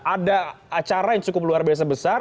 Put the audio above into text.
ada acara yang cukup luar biasa besar